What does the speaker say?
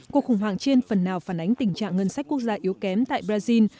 cuộc khủng hoảng trên phần nào phản ánh tình trạng ngân sách quốc gia yếu kém tại brazil